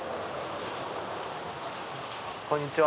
こんにちは。